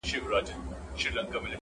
خر د هري ورځي بار ته په کاریږي -